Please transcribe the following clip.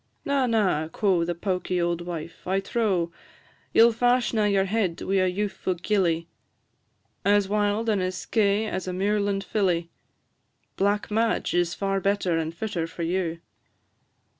"Na, na," quo' the pawky auld wife; "I trow You 'll fash na your head wi' a youthfu' gilly, As wild and as skeigh as a muirland filly; Black Madge is far better and fitter for you."